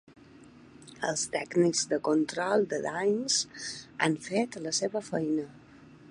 Els tècnics de control de danys han fet la seva feina.